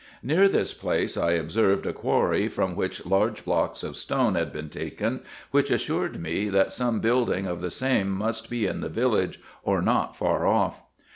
Near this place I observed a quarry, from which large blocks of stone had been taken, which assured me that some building of the same must be in the village, or not far off.